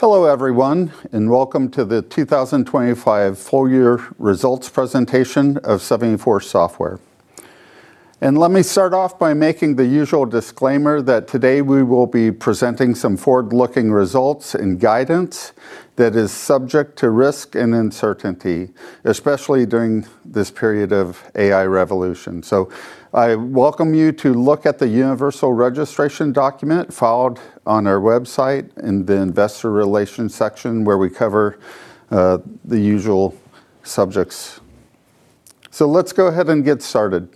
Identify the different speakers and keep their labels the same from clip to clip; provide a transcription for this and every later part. Speaker 1: Hello, everyone, welcome to the 2025 full year results presentation of 74Software. Let me start off by making the usual disclaimer that today we will be presenting some forward-looking results and guidance that is subject to risk and uncertainty, especially during this period of AI revolution. I welcome you to look at the universal registration document filed on our website in the Investor Relations section, where we cover the usual subjects. Let's go ahead and get started.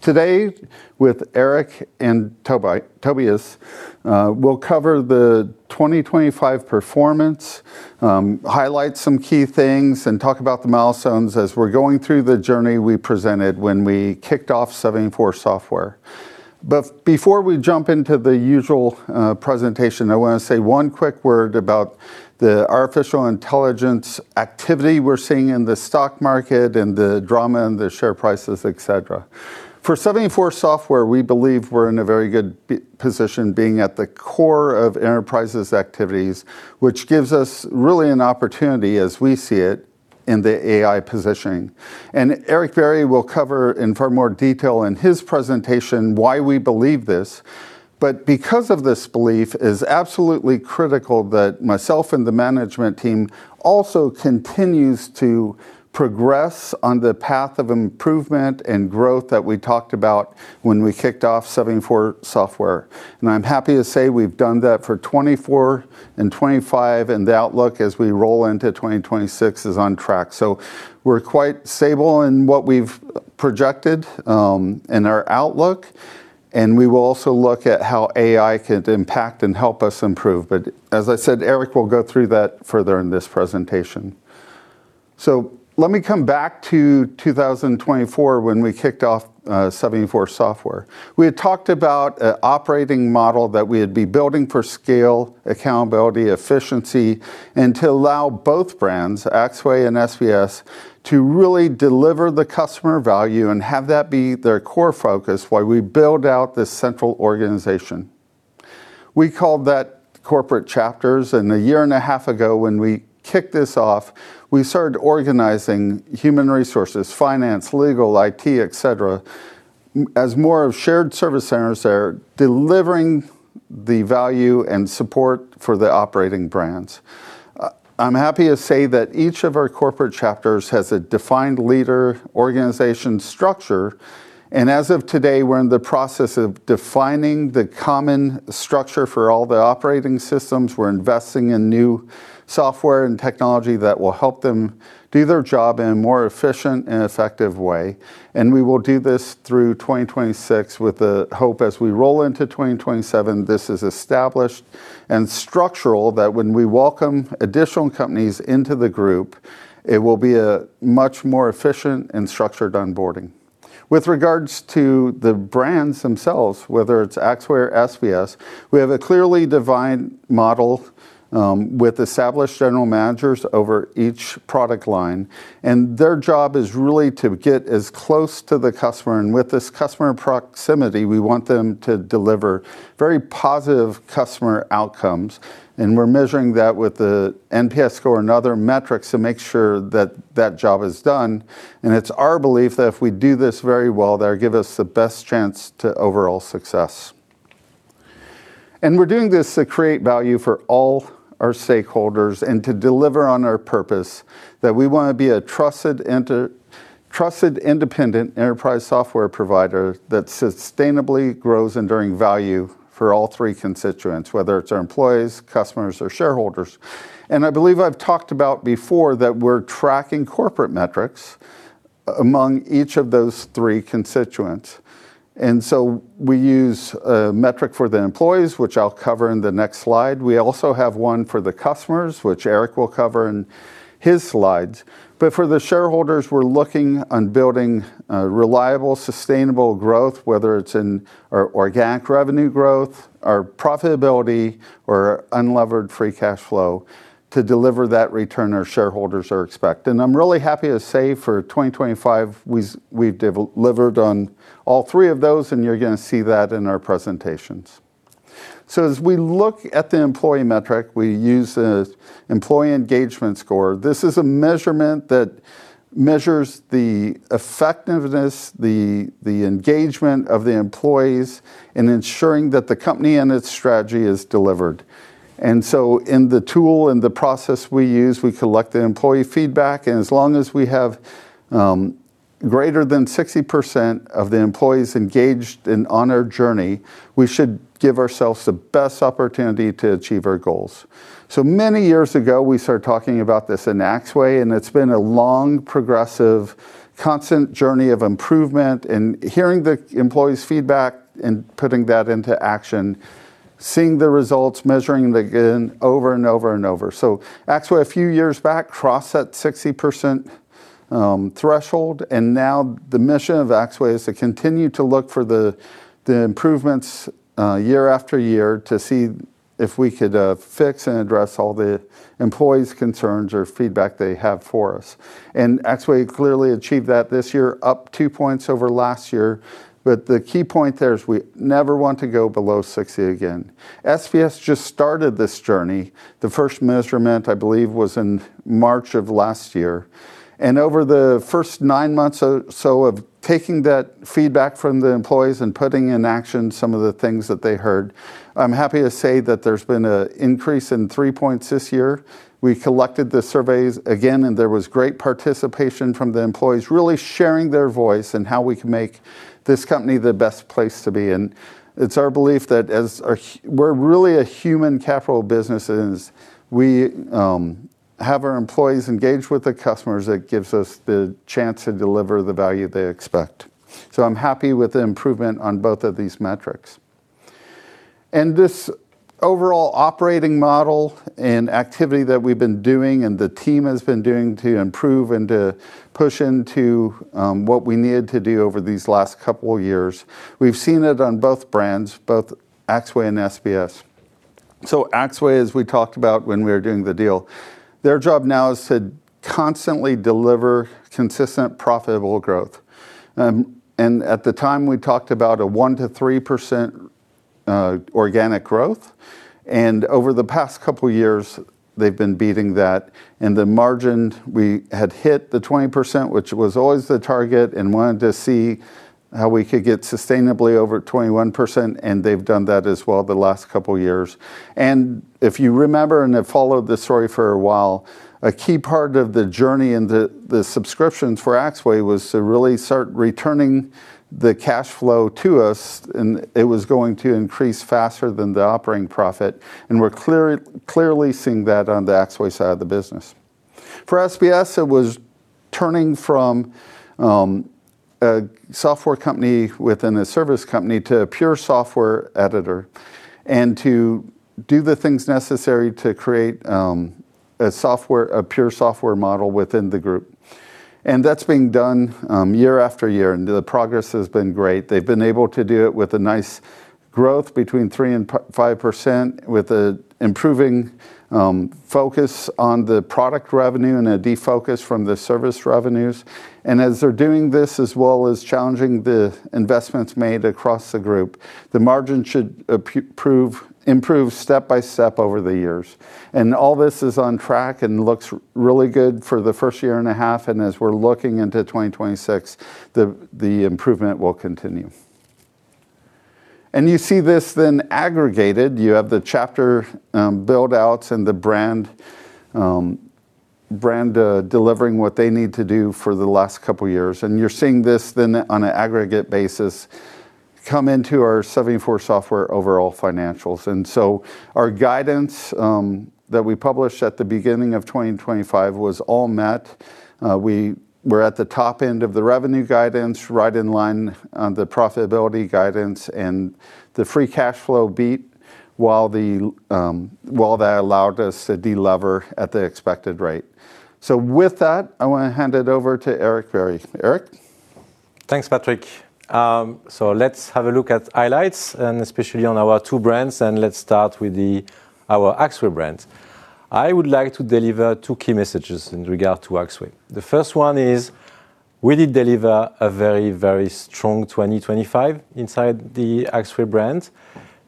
Speaker 1: Today, with Éric and Tobias, we'll cover the 2025 performance, highlight some key things, and talk about the milestones as we're going through the journey we presented when we kicked off 74Software. Before we jump into the usual presentation, I want to say one quick word about the artificial intelligence activity we're seeing in the stock market and the drama and the share prices, et cetera. For 74Software, we believe we're in a very good position, being at the core of enterprises' activities, which gives us really an opportunity, as we see it, in the AI positioning. Éric Bierry will cover in far more detail in his presentation why we believe this. Because of this belief, it is absolutely critical that myself and the management team also continues to progress on the path of improvement and growth that we talked about when we kicked off 74Software. I'm happy to say we've done that for 2024 and 2025, and the outlook as we roll into 2026 is on track. We're quite stable in what we've projected in our outlook, and we will also look at how AI could impact and help us improve. As I said, Éric will go through that further in this presentation. Let me come back to 2024 when we kicked off 74Software. We had talked about a operating model that we'd be building for scale, accountability, efficiency, and to allow both brands, Axway and SVS, to really deliver the customer value and have that be their core focus while we build out this central organization. We called that corporate chapters. A year and a half ago, when we kicked this off, we started organizing Human Resources, Finance, Legal, IT, et cetera, as more of shared service centers that are delivering the value and support for the operating brands. I'm happy to say that each of our corporate chapters has a defined leader, organization, structure. As of today, we're in the process of defining the common structure for all the operating systems. We're investing in new software and technology that will help them do their job in a more efficient and effective way. We will do this through 2026, with the hope, as we roll into 2027, this is established and structural, that when we welcome additional companies into the group, it will be a much more efficient and structured onboarding. With regards to the brands themselves, whether it's Axway or SVS, we have a clearly defined model, with established general managers over each product line. Their job is really to get as close to the customer. With this customer proximity, we want them to deliver very positive customer outcomes. We're measuring that with the NPS score and other metrics to make sure that that job is done. It's our belief that if we do this very well, that'll give us the best chance to overall success. We're doing this to create value for all our stakeholders and to deliver on our purpose, that we want to be a trusted, independent enterprise software provider that sustainably grows enduring value for all three constituents, whether it's our employees, customers or shareholders. I believe I've talked about before, that we're tracking corporate metrics among each of those three constituents. We use a metric for the employees, which I'll cover in the next slide. We also have one for the customers, which Éric will cover in his slides. For the shareholders, we're looking on building reliable, sustainable growth, whether it's in our organic revenue growth, our profitability, or unlevered free cash flow, to deliver that return our shareholders are expecting. I'm really happy to say, for 2025, we've delivered on all three of those, and you're going to see that in our presentations. As we look at the employee metric, we use the employee engagement score. This is a measurement that measures the effectiveness, the engagement of the employees in ensuring that the company and its strategy is delivered. In the tool and the process we use, we collect the employee feedback, and as long as we have greater than 60% of the employees engaged and on our journey, we should give ourselves the best opportunity to achieve our goals. Many years ago, we started talking about this in Axway, and it's been a long, progressive, constant journey of improvement and hearing the employees' feedback and putting that into action, seeing the results, measuring them again, over and over and over. Axway, a few years back, crossed that 60% threshold, and now the mission of Axway is to continue to look for the improvements year after year to see if we could fix and address all the employees' concerns or feedback they have for us. Axway clearly achieved that this year, up 2 points over last year. The key point there is we never want to go below 60 again. SBS just started this journey. The first measurement, I believe, was in March of last year. Over the first nine months or so of taking that feedback from the employees and putting in action some of the things that they heard, I'm happy to say that there's been a increase in 3 points this year. We collected the surveys again, and there was great participation from the employees, really sharing their voice on how we can make this company the best place to be. It's our belief that as a we're really a human capital businesses, we have our employees engaged with the customers, that gives us the chance to deliver the value they expect. I'm happy with the improvement on both of these metrics. This overall operating model and activity that we've been doing, and the team has been doing to improve and to push into what we needed to do over these last couple of years, we've seen it on both brands, both Axway and SBS. Axway, as we talked about when we were doing the deal, their job now is to constantly deliver consistent, profitable growth. At the time, we talked about a 1%-3% organic growth, and over the past couple of years, they've been beating that. The margin, we had hit the 20%, which was always the target, and wanted to see how we could get sustainably over 21%, and they've done that as well the last couple of years. If you remember and have followed this story for a while, a key part of the journey and the subscriptions for Axway was to really start returning the cash flow to us, and it was going to increase faster than the operating profit, and we're clearly seeing that on the Axway side of the business. For SBS, it was turning from a software company within a service company to a pure software editor, and to do the things necessary to create a pure software model within the group. That's being done year after year, and the progress has been great. They've been able to do it with a nice growth between 3% and 5%, with a improving focus on the product revenue and a defocus from the service revenues. As they're doing this, as well as challenging the investments made across the group, the margin should improve step by step over the years. All this is on track and looks really good for the first year and a half. As we're looking into 2026, the improvement will continue. You see this then aggregated. You have the chapter build-outs and the brand delivering what they need to do for the last couple of years. You're seeing this then, on an aggregate basis, come into our 74Software overall financials. Our guidance that we published at the beginning of 2025 was all met. We were at the top end of the revenue guidance, right in line on the profitability guidance and the free cash flow beat, while that allowed us to delever at the expected rate. With that, I want to hand it over to Éric Bierry. Éric?
Speaker 2: Thanks, Patrick. Let's have a look at highlights, especially on our two brands, and let's start with our Axway brand. I would like to deliver two key messages in regard to Axway. The first one is we did deliver a very, very strong 2025 inside the Axway brand.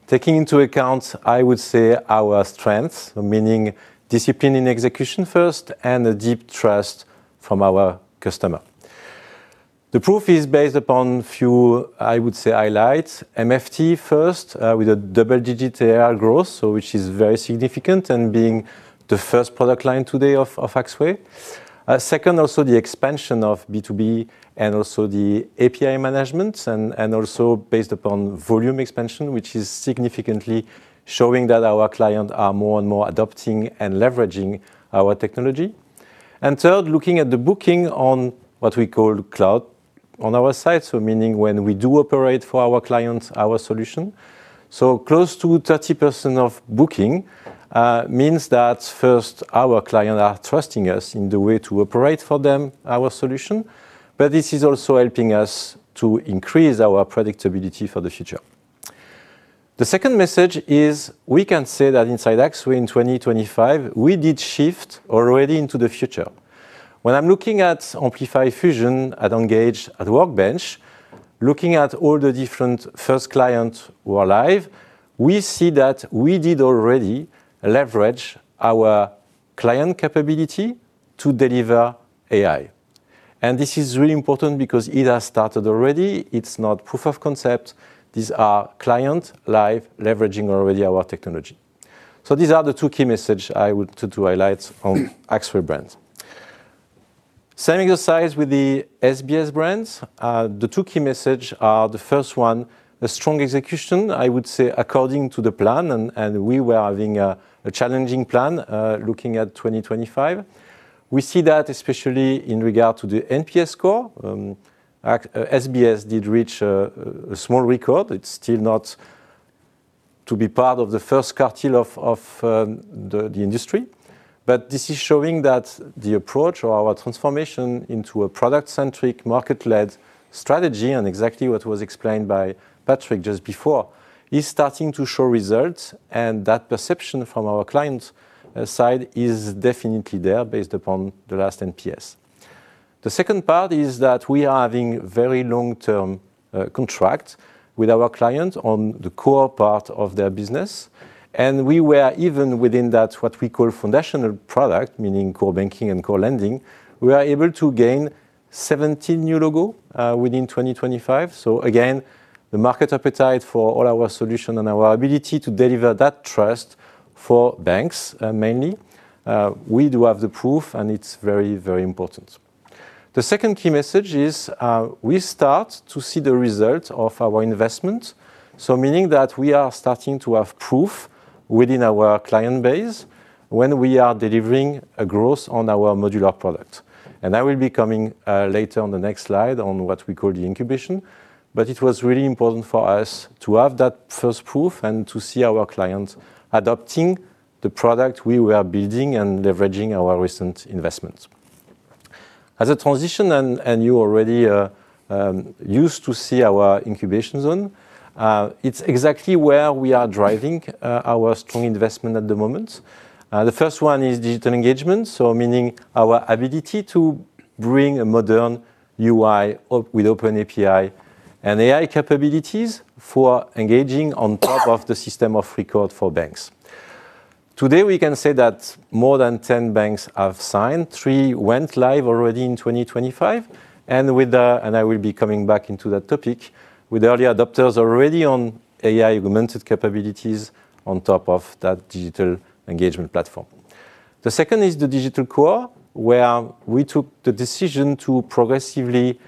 Speaker 2: Taking into account, I would say, our strengths, meaning discipline and execution first, and a deep trust from our customer. The proof is based upon few, I would say, highlights. MFT first, with a double-digit ARR growth, which is very significant, and being the first product line today of Axway. Second, also the expansion of B2B and also the API management and also based upon volume expansion, which is significantly showing that our clients are more and more adopting and leveraging our technology. Third, looking at the booking on what we call cloud on our side, meaning when we do operate for our clients, our solution. Close to 30% of booking means that first, our clients are trusting us in the way to operate for them, our solution, but this is also helping us to increase our predictability for the future. The second message is, we can say that inside Axway in 2025, we did shift already into the future. When I'm looking at Amplify Fusion, at Engage, at Workbench, looking at all the different first clients who are live, we see that we did already leverage our client capability to deliver AI. This is really important because it has started already. It's not proof of concept. These are clients live, leveraging already our technology. These are the two key messages I would to highlight from Axway. Same exercise with the SBS brand. The two key messages are, the first one, a strong execution, I would say, according to the plan, and we were having a challenging plan looking at 2025. We see that especially in regard to the NPS score. SBS did reach a small record. It's still not to be part of the first quartile of the industry. This is showing that the approach or our transformation into a product-centric, market-led strategy, and exactly what was explained by Patrick just before, is starting to show results, and that perception from our clients' side is definitely there based upon the last NPS. The second part is that we are having very long-term contract with our clients on the core part of their business, and we were even within that, what we call foundational product, meaning core banking and core lending, we are able to gain 17 new logo within 2025. Again, the market appetite for all our solution and our ability to deliver that trust for banks, mainly, we do have the proof, and it's very, very important. The second key message is, we start to see the results of our investment, so meaning that we are starting to have proof within our client base when we are delivering a growth on our modular product. I will be coming later on the next slide on what we call the Incubation. It was really important for us to have that first proof and to see our clients adopting the product we were building and leveraging our recent investments. As a transition, and you already are used to see our Incubation Zone, it's exactly where we are driving our strong investment at the moment. The first one is Digital Engagement, so meaning our ability to bring a modern UI with OpenAPI and AI capabilities for engaging on top of the system of record for banks. Today, we can say that more than 10 banks have signed. Three went live already in 2025, I will be coming back into that topic with early adopters already on AI-augmented capabilities on top of that Digital Engagement platform. The second is the Digital Core, where we took the decision to progressively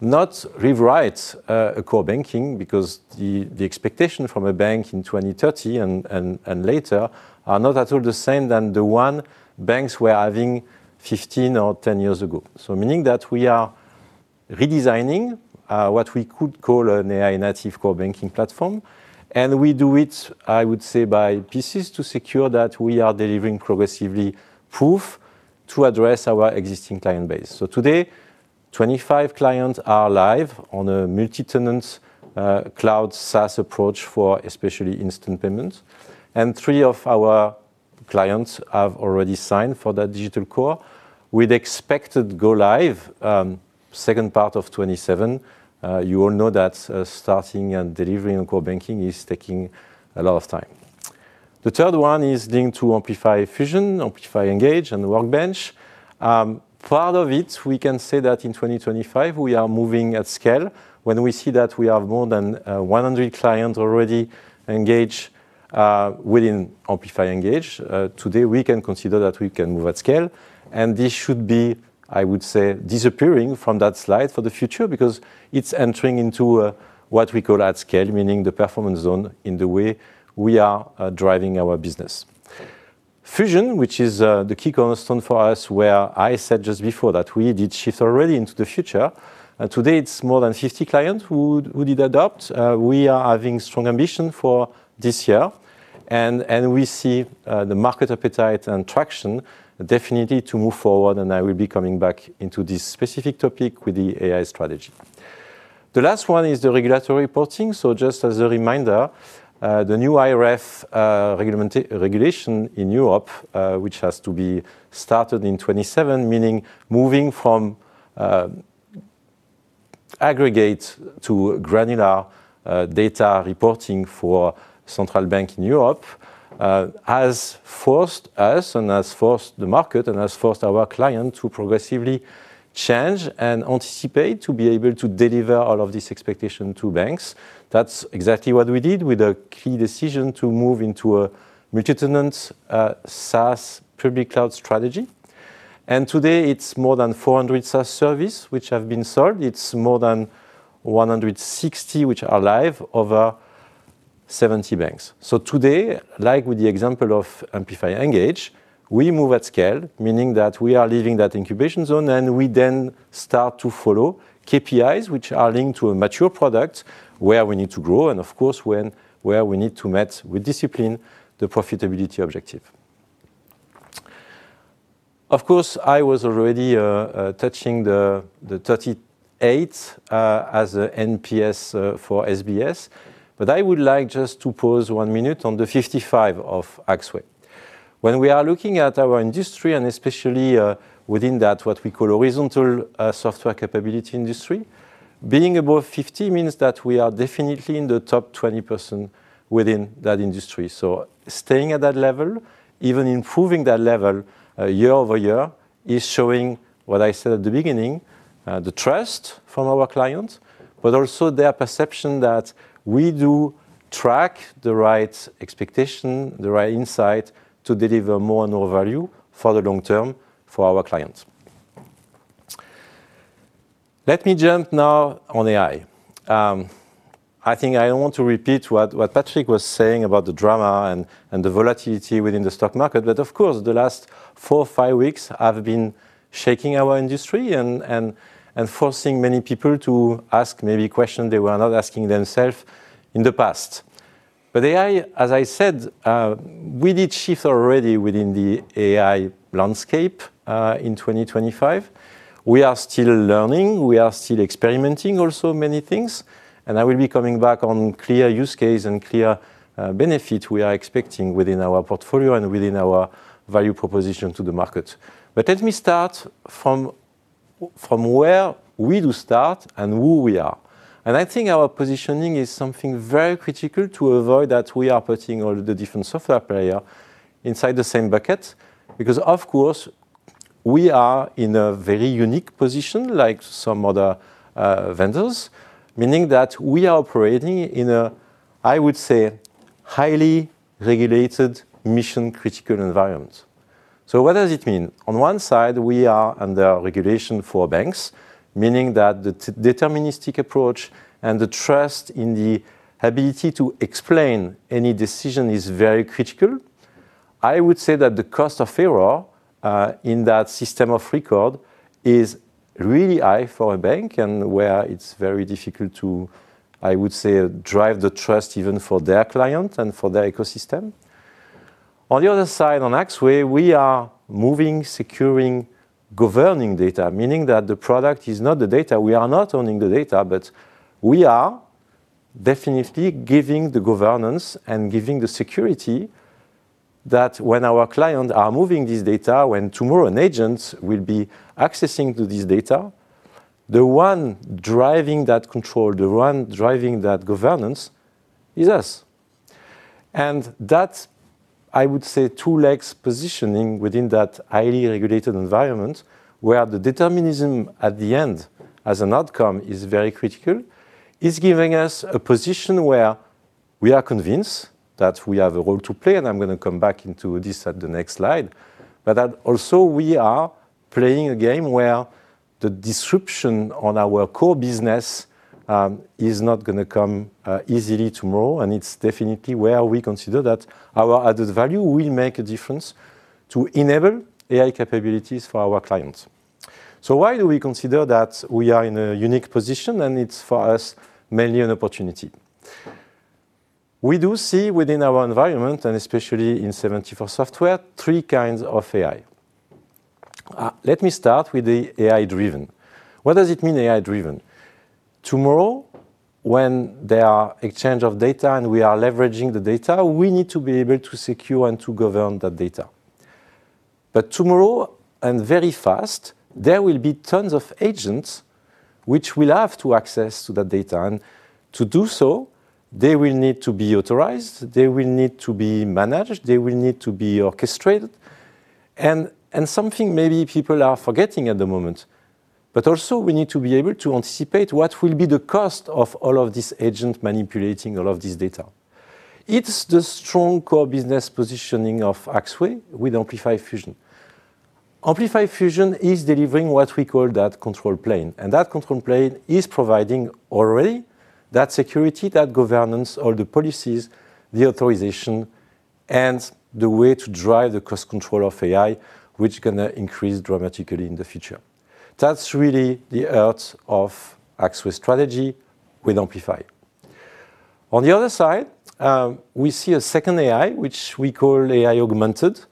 Speaker 2: not rewrite a core banking, because the expectation from a bank in 2030 and later are not at all the same than the one banks were having 15 or 10 years ago. Meaning that we are redesigning what we could call an AI-native core banking platform, and we do it, I would say, by pieces, to secure that we are delivering progressively proof to address our existing client base. Today, 25 clients are live on a multi-tenant cloud SaaS approach for especially Instant Payments, and three of our clients have already signed for that Digital Core with expected go-live, second part of 2027. You all know that starting and delivering on core banking is taking a lot of time. The third one is linked to Amplify Fusion, Amplify Engage, and Workbench. Part of it, we can say that in 2025 we are moving at scale. When we see that we have more than 100 clients already engaged within Amplify Engage today, we can consider that we can move at scale. This should be, I would say, disappearing from that slide for the future because it's entering into what we call at scale, meaning the Performance Zone in the way we are driving our business. Fusion, which is the key cornerstone for us, where I said just before that we did shift already into the future, and today it's more than 50 clients who did adopt. We are having strong ambition for this year, and we see the market appetite and traction definitely to move forward, and I will be coming back into this specific topic with the AI strategy. The last one is the Regulatory Reporting. Just as a reminder, the new IReF regulation in Europe, which has to be started in 27, meaning moving from aggregate to granular data reporting for central bank in Europe, has forced us and has forced the market and has forced our client to progressively change and anticipate to be able to deliver all of this expectation to banks. That's exactly what we did with a key decision to move into a multi-tenant SaaS public cloud strategy. Today it's more than 400 SaaS service which have been sold. It's more than 160 which are live over 70 banks. Today, like with the example of Amplify Engage, we move at scale, meaning that we are leaving that Incubation Zone, and we then start to follow KPIs, which are linked to a mature product, where we need to grow and, of course, where we need to meet with discipline the profitability objective. Of course, I was already touching the 38 as a NPS for SBS, but I would like just to pause one minute on the 55 of Axway. When we are looking at our industry, and especially within that, what we call horizontal software capability industry, being above 50 means that we are definitely in the top 20% within that industry. Staying at that level, even improving that level, year-over-year, is showing what I said at the beginning, the trust from our clients, but also their perception that we do track the right expectation, the right insight, to deliver more and more value for the long term for our clients. Let me jump now on AI. I think I don't want to repeat what Patrick was saying about the drama and the volatility within the stock market, but of course, the last four or five weeks have been shaking our industry and forcing many people to ask maybe question they were not asking themselves in the past. AI, as I said, we did shift already within the AI landscape in 2025. We are still learning, we are still experimenting also many things. I will be coming back on clear use case and clear benefit we are expecting within our portfolio and within our value proposition to the market. Let me start from where we do start and who we are. I think our positioning is something very critical to avoid that we are putting all the different software player inside the same bucket. Of course, we are in a very unique position like some other vendors, meaning that we are operating in a, I would say, highly regulated mission-critical environment. What does it mean? On one side, we are under regulation for banks, meaning that the deterministic approach and the trust in the ability to explain any decision is very critical. I would say that the cost of error, in that system of record is really high for a bank, and where it's very difficult to, I would say, drive the trust even for their client and for their ecosystem. On the other side, on Axway, we are moving, securing, governing data, meaning that the product is not the data. We are not owning the data. We are definitely giving the governance and giving the security that when our clients are moving this data, when tomorrow an agent will be accessing to this data, the one driving that control, the one driving that governance is us. That, I would say, two legs positioning within that highly regulated environment, where the determinism at the end as an outcome is very critical, is giving us a position where we are convinced that we have a role to play, and I'm going to come back into this at the next slide. That also we are playing a game where the disruption on our core business is not going to come easily tomorrow, and it's definitely where we consider that our added value will make a difference to enable AI capabilities for our clients. Why do we consider that we are in a unique position, and it's for us, mainly an opportunity? We do see within our environment, and especially in 74Software, three kinds of AI. Let me start with the AI-driven. What does it mean, AI-driven? Tomorrow, when there are exchange of data and we are leveraging the data, we need to be able to secure and to govern that data. Tomorrow, and very fast, there will be tons of agents which will have to access to that data, and to do so, they will need to be authorized, they will need to be managed, they will need to be orchestrated. Something maybe people are forgetting at the moment, but also we need to be able to anticipate what will be the cost of all of these agent manipulating all of this data. It's the strong core business positioning of Axway with Amplify Fusion. Amplify Fusion is delivering what we call that control plane. That control plane is providing already that security, that governance, all the policies, the authorization, and the way to drive the cost control of AI, which is going to increase dramatically in the future. That's really the heart of Axway strategy with Amplify. On the other side, we see a second AI, which we call AI Augmented.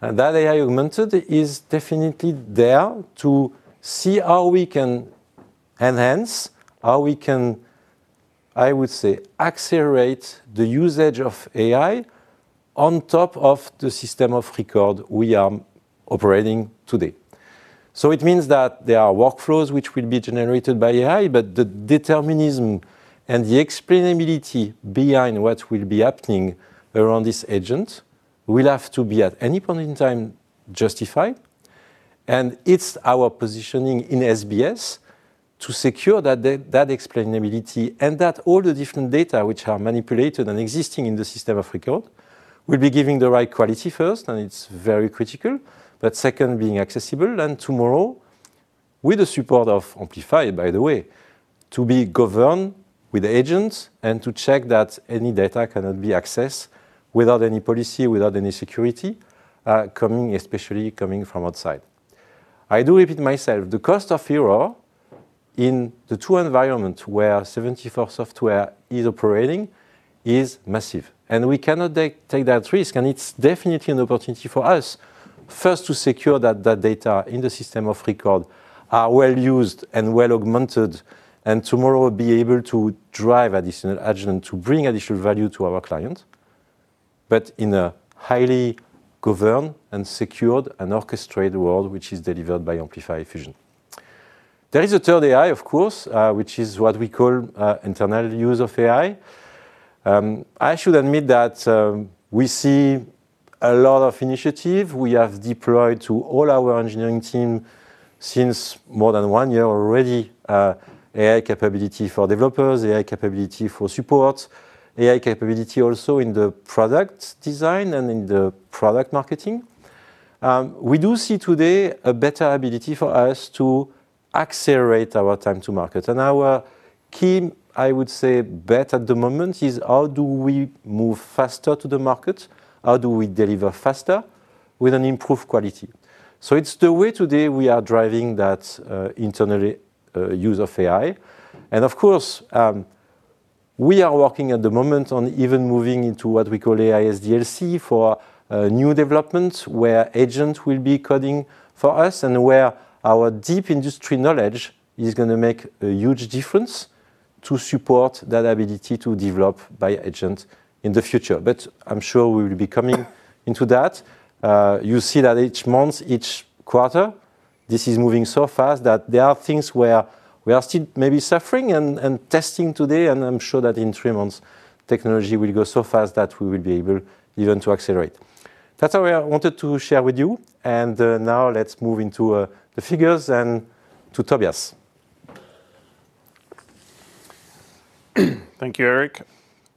Speaker 2: That AI Augmented is definitely there to see how we can enhance, how we can, I would say, accelerate the usage of AI on top of the system of record we are operating today. It means that there are workflows which will be generated by AI, but the determinism and the explainability behind what will be happening around this agent will have to be, at any point in time, justified. It's our positioning in SBS to secure that the explainability and that all the different data which are manipulated and existing in the system of record, will be giving the right quality first, and it's very critical. Second, being accessible, and tomorrow, with the support of Amplify, by the way, to be governed with agents and to check that any data cannot be accessed without any policy, without any security, coming, especially coming from outside. I do repeat myself, the cost of error in the two environments where 74Software is operating is massive. We cannot take that risk. It's definitely an opportunity for us, first, to secure that the data in the system of record are well used and well augmented. Tomorrow, be able to drive additional agent to bring additional value to our clients, but in a highly governed and secured and orchestrated world, which is delivered by Amplify Fusion. There is a third AI, of course, which is what we call internal use of AI. I should admit that we see a lot of initiative. We have deployed to all our engineering team since more than one year already, AI capability for developers, AI capability for support, AI capability also in the product design and in the product marketing. We do see today a better ability for us to accelerate our time to market. Our key, I would say, bet at the moment, is: how do we move faster to the market? How do we deliver faster? With an improved quality. It's the way today we are driving that internally use of AI. Of course, we are working at the moment on even moving into what we call AI SDLC for new developments, where agent will be coding for us and where our deep industry knowledge is gonna make a huge difference to support that ability to develop by agent in the future. I'm sure we will be coming into that. You see that each month, each quarter, this is moving so fast that there are things where we are still maybe suffering and testing today, and I'm sure that in three months, technology will go so fast that we will be able even to accelerate. That's all I wanted to share with you, and now let's move into the figures and to Tobias.
Speaker 3: Thank you, Eric.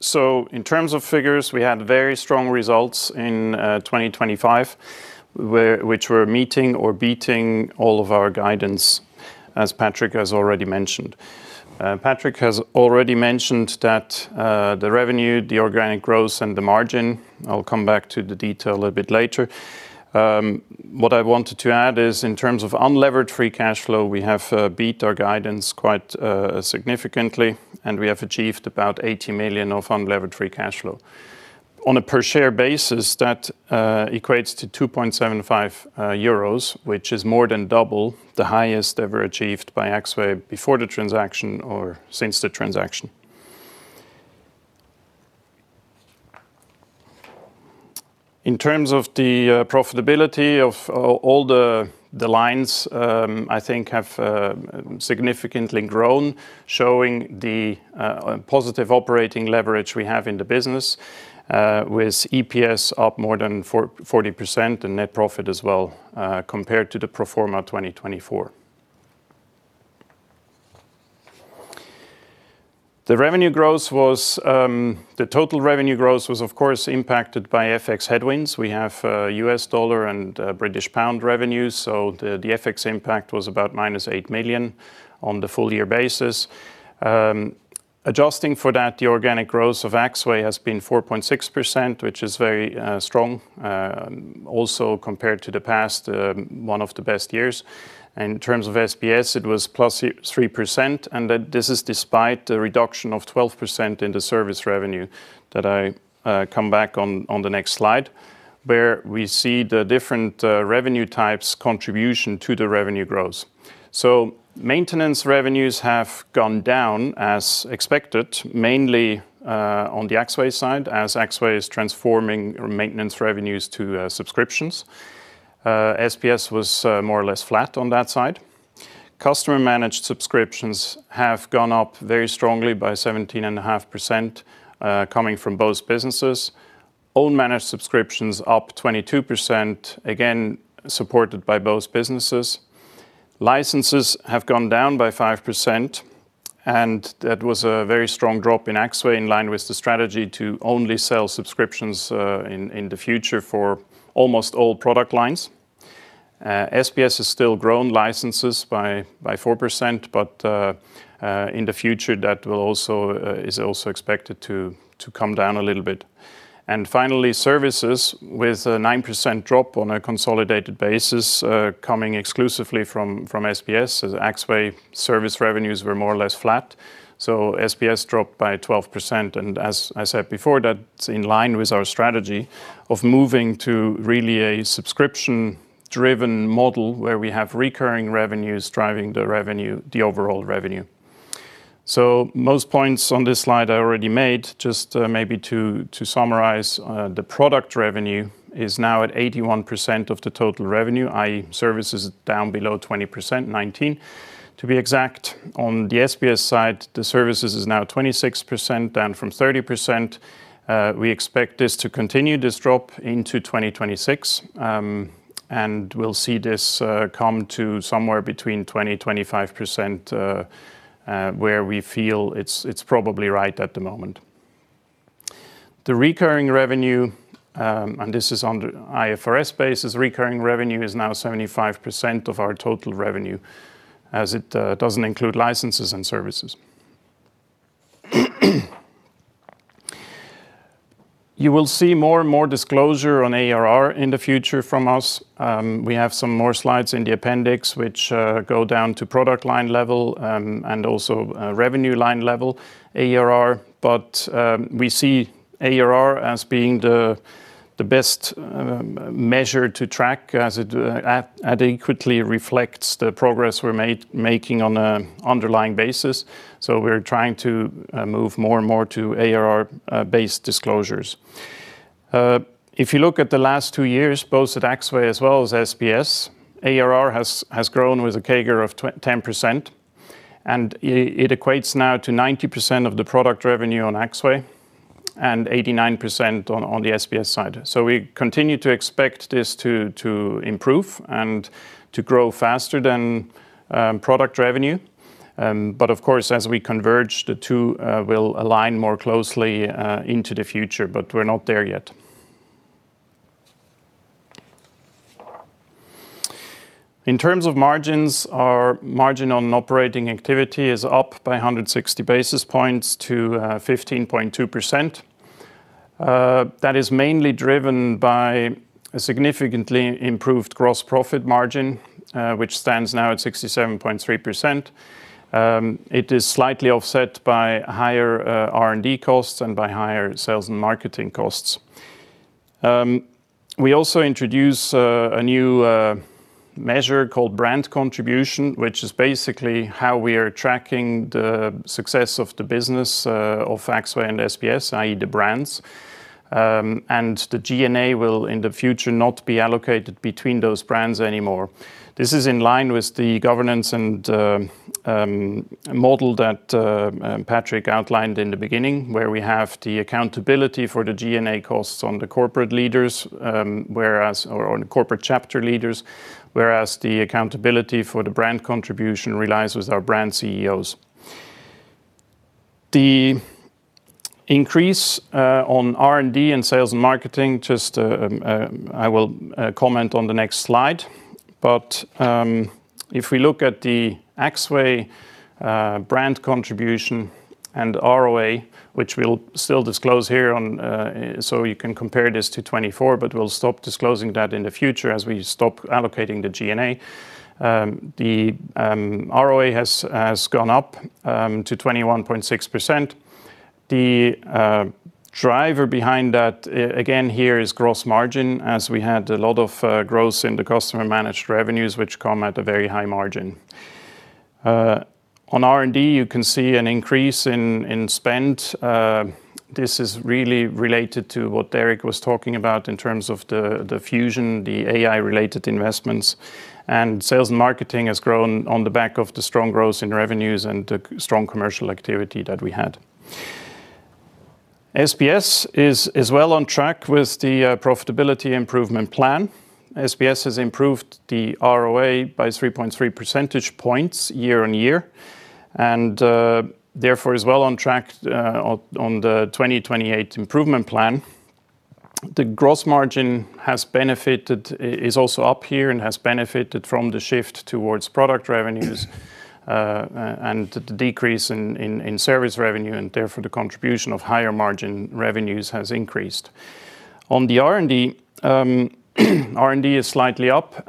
Speaker 3: In terms of figures, we had very strong results in 2025, which we're meeting or beating all of our guidance, as Patrick has already mentioned. Patrick has already mentioned that the revenue, the organic growth, and the margin. I'll come back to the detail a little bit later. What I wanted to add is, in terms of unlevered free cash flow, we have beat our guidance quite significantly, and we have achieved about 80 million of unlevered free cash flow. On a per-share basis, that equates to 2.75 euros, which is more than double the highest ever achieved by Axway before the transaction or since the transaction. In terms of the profitability of all the lines, I think have significantly grown, showing the positive operating leverage we have in the business with EPS up more than 40% and net profit as well, compared to the pro forma 2024. The total revenue growth was, of course, impacted by FX headwinds. We have U.S. dollar and British pound revenues, so the FX impact was about -8 million on the full year basis. Adjusting for that, the organic growth of Axway has been 4.6%, which is very strong, also, compared to the past, one of the best years. In terms of SBS, it was +3%, and that this is despite the reduction of 12% in the service revenue that I come back on the next slide, where we see the different revenue types' contribution to the revenue growth. Maintenance revenues have gone down as expected, mainly on the Axway side, as Axway is transforming maintenance revenues to subscriptions. SBS was more or less flat on that side. Customer-managed subscriptions have gone up very strongly by 17.5%, coming from both businesses. All managed subscriptions up 22%, again, supported by both businesses. Licenses have gone down by 5%, and that was a very strong drop in Axway, in line with the strategy to only sell subscriptions in the future for almost all product lines. SBS has still grown licenses by 4%, in the future, that will also is also expected to come down a little bit. Finally, services with a 9% drop on a consolidated basis, coming exclusively from SBS, as Axway service revenues were more or less flat. SBS dropped by 12%, and as I said before, that's in line with our strategy of moving to really a subscription-driven model, where we have recurring revenues driving the revenue, the overall revenue. Most points on this slide I already made, just maybe to summarize, the product revenue is now at 81% of the total revenue, i.e., service is down below 20%, 19 to be exact. On the SBS side, the services is now 26%, down from 30%. We expect this to continue this drop into 2026, and we'll see this come to somewhere between 20%-25% where we feel it's probably right at the moment. The recurring revenue, and this is on the IFRS basis, recurring revenue is now 75% of our total revenue, as it doesn't include licenses and services. You will see more and more disclosure on ARR in the future from us. We have some more slides in the appendix, which go down to product line level, and also revenue line level ARR. We see ARR as being the best measure to track as it adequately reflects the progress we're making on a underlying basis. We're trying to move more and more to ARR based disclosures. If you look at the last two years, both at Axway as well as SBS, ARR has grown with a CAGR of 10%, and it equates now to 90% of the product revenue on Axway and 89% on the SBS side. We continue to expect this to improve and to grow faster than product revenue. Of course, as we converge, the two will align more closely into the future, but we're not there yet. In terms of margins, our margin on operating activity is up by 160 basis points to 15.2%. That is mainly driven by a significantly improved gross profit margin, which stands now at 67.3%. It is slightly offset by higher R&D costs and by higher sales and marketing costs. We also introduce a new measure called Brand Contribution, which is basically how we are tracking the success of the business of Axway and SBS, i.e., the brands. The G&A will, in the future, not be allocated between those brands anymore. This is in line with the governance and model that Patrick outlined in the beginning, where we have the accountability for the G&A costs on the corporate leaders, whereas or on the corporate chapter leaders, whereas the accountability for the Brand Contribution relies with our brand CEOs. The increase on R&D and sales and marketing, just I will comment on the next slide. If we look at the Axway brand contribution and ROA, which we'll still disclose here on, so you can compare this to 2024, but we'll stop disclosing that in the future as we stop allocating the G&A. The ROA has gone up to 21.6%. The driver behind that, again, here is gross margin, as we had a lot of growth in the customer-managed revenues, which come at a very high margin. On R&D, you can see an increase in spend. This is really related to what Eric was talking about in terms of the fusion, the AI-related investments. Sales and marketing has grown on the back of the strong growth in revenues and the strong commercial activity that we had. SBS is well on track with the profitability improvement plan. SBS has improved the ROA by 3.3 percentage points year-over-year, therefore, is well on track on the 2028 improvement plan. The gross margin is also up here and has benefited from the shift towards product revenues and the decrease in service revenue, therefore, the contribution of higher margin revenues has increased. On the R&D, R&D is slightly up.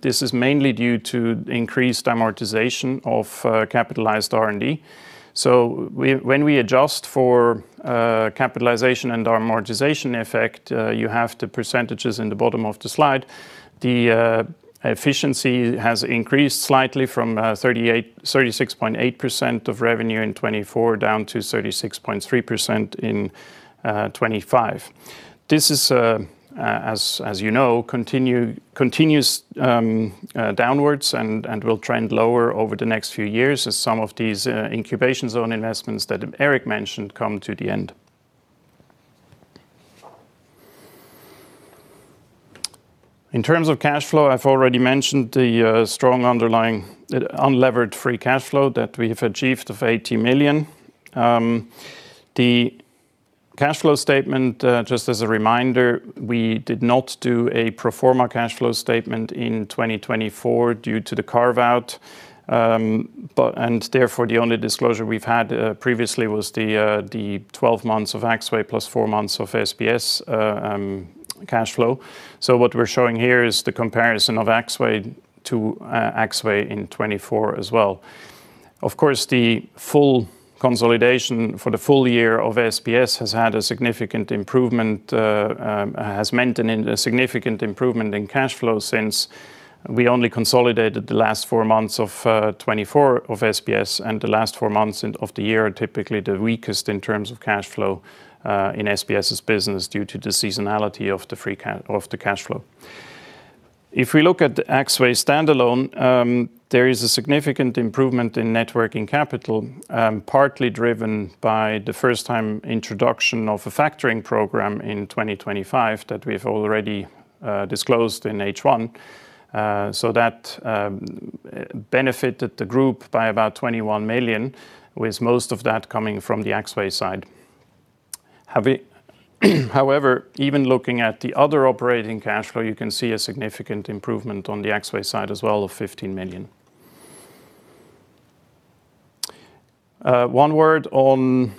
Speaker 3: This is mainly due to increased amortization of capitalized R&D. When we adjust for capitalization and amortization effect, you have the percentages in the bottom of the slide. The efficiency has increased slightly from 36.8% of revenue in 2024, down to 36.3% in 2025. This is, as you know, continues downwards and will trend lower over the next few years as some of these Incubation Zone investments that Éric mentioned come to the end. In terms of cash flow, I've already mentioned the strong underlying unlevered free cash flow that we have achieved of 80 million. The cash flow statement, just as a reminder, we did not do a pro forma cash flow statement in 2024 due to the carve-out. Therefore, the only disclosure we've had previously was the 12 months of Axway, plus four months of SBS, cash flow. What we're showing here is the comparison of Axway to Axway in 2024 as well. Of course, the full consolidation for the full year of SBS has had a significant improvement, has meant a significant improvement in cash flow since we only consolidated the last four months of 2024 of SBS. The last four months in, of the year are typically the weakest in terms of cash flow in SBS's business, due to the seasonality of the cash flow. If we look at the Axway standalone, there is a significant improvement in net working capital, partly driven by the first time introduction of a factoring program in 2025 that we've already disclosed in H1. So that benefited the group by about 21 million, with most of that coming from the Axway side. However, even looking at the other operating cash flow, you can see a significant improvement on the Axway side as well, of 15 million. One word on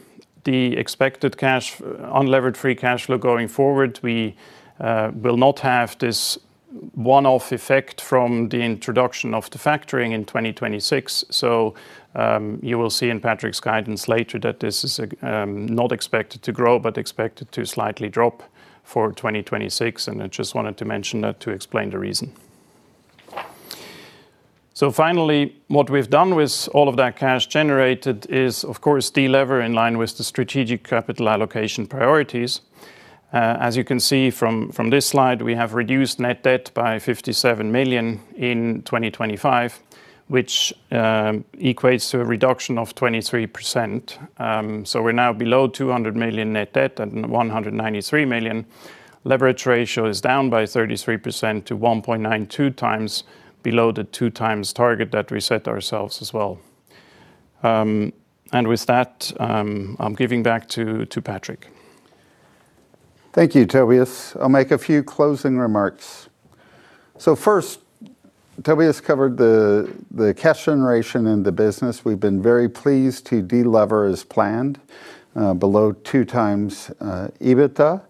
Speaker 3: the expected unlevered free cash flow going forward. We will not have this one-off effect from the introduction of the factoring in 2026. You will see in Patrick's guidance later that this is not expected to grow, but expected to slightly drop for 2026. I just wanted to mention that to explain the reason. Finally, what we've done with all of that cash generated is, of course, delever, in line with the strategic capital allocation priorities. As you can see from this slide, we have reduced net debt by 57 million in 2025, which equates to a reduction of 23%. We're now below 200 million net debt and 193 million. Leverage ratio is down by 33% to 1.92 times, below the 2 times target that we set ourselves as well. With that, I'm giving back to Patrick.
Speaker 1: Thank you, Tobias. I'll make a few closing remarks. First, Tobias covered the cash generation in the business. We've been very pleased to delever as planned, below 2 times EBITDA.